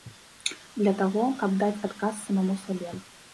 Для таго, каб даць адказ самому сабе.